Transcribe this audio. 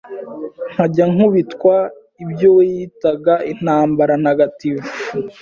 nkajya nkubitwa ibyo we yitaga intambara ntagatifu